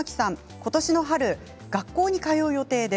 今年の春、学校に通う予定です。